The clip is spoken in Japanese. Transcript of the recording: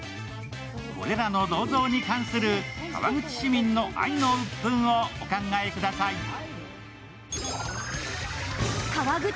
これらの銅像に関する川口市民の愛のアップンをお考えください。